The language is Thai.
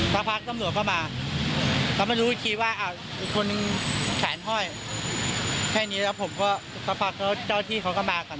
สักพักตำรวจก็มาเขามารู้อีกทีว่าอ้าวอีกคนนึงแขนห้อยแค่นี้แล้วผมก็สักพักแล้วเจ้าที่เขาก็มากัน